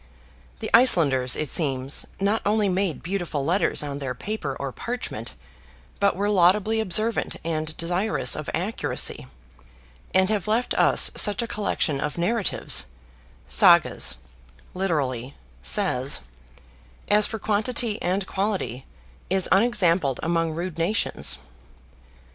The Icelanders, it seems, not only made beautiful letters on their paper or parchment, but were laudably observant and desirous of accuracy; and have left us such a collection of narratives (Sagas, literally "Says") as, for quantity and quality, is unexampled among rude nations.